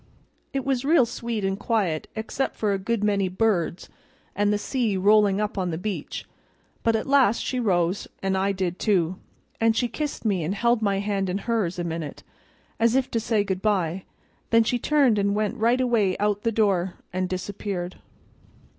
It was real sweet and quiet except for a good many birds and the sea rollin' up on the beach; but at last she rose, an' I did too, and she kissed me and held my hand in hers a minute, as if to say good by; then she turned and went right away out o' the door and disappeared.